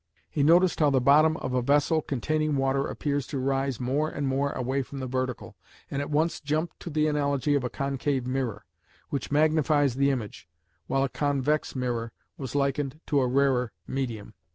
He noticed how the bottom of a vessel containing water appears to rise more and more away from the vertical, and at once jumped to the analogy of a concave mirror, which magnifies the image, while a convex mirror was likened to a rarer medium.